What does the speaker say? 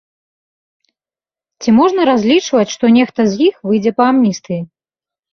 Ці можна разлічваць, што нехта з іх выйдзе па амністыі?